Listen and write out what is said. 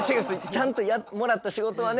ちゃんともらった仕事はね